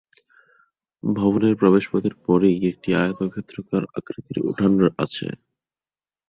ভবনের প্রবেশপথের পরেই একটি আয়তক্ষেত্রাকার আকৃতির উঠান আছে।